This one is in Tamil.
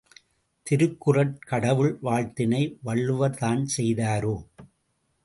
திருக்குறட் கடவுள் வாழ்த்தினை வள்ளுவர்தான் செய்தாரோ?